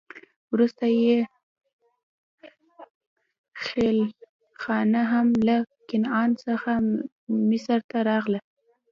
وروسته یې خېلخانه هم له کنعان څخه مصر ته راغله.